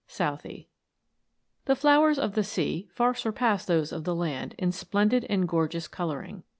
SOUTHET. THE flowers of the sea far surpass those of the land in splendid and gorgeous colouring.